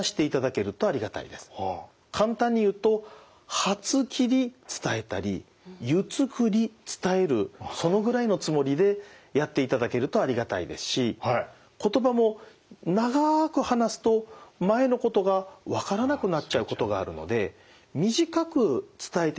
簡単に言うと「はつきり」伝えたり「ゆつくり」伝えるそのぐらいのつもりでやっていただけるとありがたいですし言葉も長く話すと前のことがわからなくなっちゃうことがあるので短く伝えていただけると。